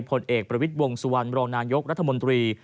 พลเอกประวิทธิ์วงศ์สวรรค์มุโรงนายกรัฐมนตรี